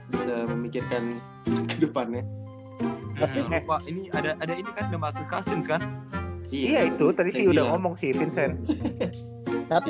bisa memikirkan ke depannya ini ada ada ini kan demarcus cousins kan iya itu tadi udah ngomong sih vincent